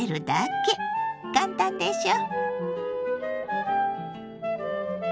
簡単でしょ！